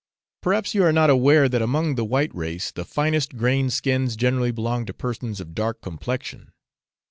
Perhaps you are not aware that among the white race the finest grained skins generally belong to persons of dark complexion.